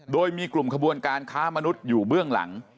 โดยมีกลุ่มขบวนการค้ามนุษย์อยู่เบื้องหลัง